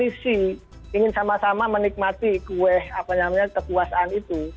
ini sama sama menikmati kue apa namanya kekuasaan itu